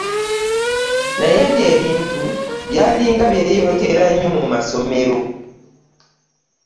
Naye ebyo ebintu byali nga byeyolekera nnyo mu masomero.